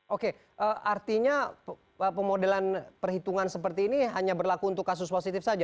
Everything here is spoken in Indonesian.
oke artinya pemodelan perhitungan seperti ini hanya berlaku untuk kasus positif saja